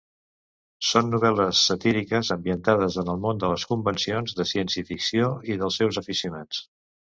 Són novel·les satíriques ambientades en el món de les convencions de ciència ficció i dels seus aficionats.